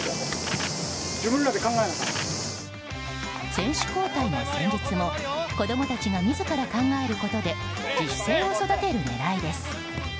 選手交代も戦術も子供たちが自ら考えることで自主性を育てる狙いです。